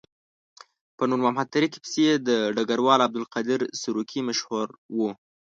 په نور محمد تره کي پسې یې د ډګروال عبدالقادر سروکي مشهور وو.